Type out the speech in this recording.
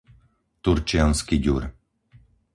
Turčiansky Ďur